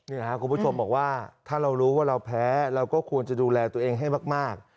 นี่นะครับคุณผู้ชมบอกว่าถ้าเรารู้ว่าเราแพ้เราก็ควรจะดูแลตัวเองให้มาก